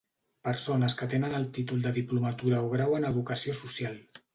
Persones que tenen el títol de diplomatura o grau en educació social.